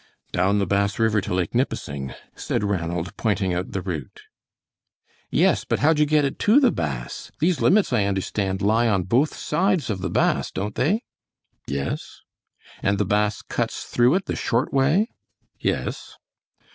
"Down the Bass River to Lake Nipissing," said Ranald, pointing out the route. "Yes, but how'd you get it to the Bass? These limits, I understand, lie on both sides of the Bass, don't they?" "Yes." "And the Bass cuts through it the short way?" "Yes."